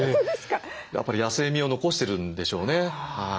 やっぱり野性味を残してるんでしょうね。